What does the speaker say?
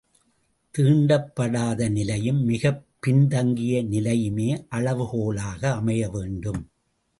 தீண்டப்படாத நிலையும், மிகப் பின் தங்கிய நிலையுமே அளவுகோலாக அமைய வேண்டும்.